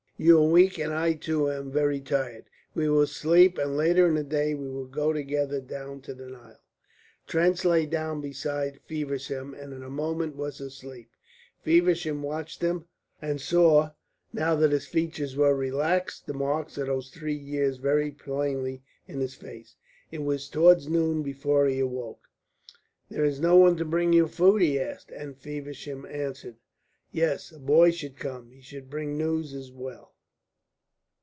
You are weak, and I too am very tired. We will sleep, and later in the day we will go together down to the Nile." Trench lay down beside Feversham and in a moment was asleep. Feversham watched him, and saw, now that his features were relaxed, the marks of those three years very plainly in his face. It was towards noon before he awoke. "There is no one to bring you food?" he asked, and Feversham answered: "Yes. A boy should come. He should bring news as well."